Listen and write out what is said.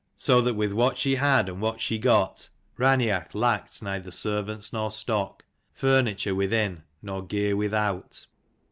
So that with what she had and what she got, Raineach lacked neither 302 servants nor stock, furniture within nor gear without.